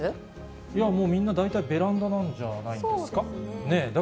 いやもう、みんな大体、ベランダなんじゃないんですか？